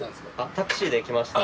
タクシーで来ました。